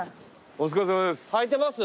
・お疲れさまです。